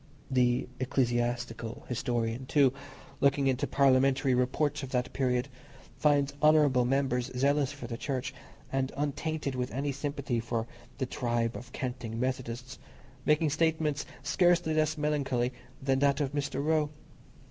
The ecclesiastical historian, too, looking into parliamentary reports of that period, finds honourable members zealous for the Church, and untainted with any sympathy for the "tribe of canting Methodists," making statements scarcely less melancholy than that of Mr. Roe.